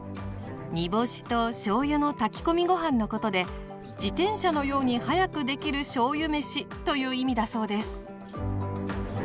煮干しとしょうゆの炊き込みご飯のことで自転車のように早くできるしょうゆめしという意味だそうです。